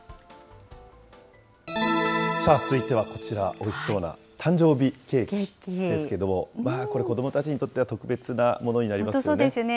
続いてはこちら、おいしそうな誕生日ケーキですけれども、これ、子どもたちにとっては特別な本当そうですよね。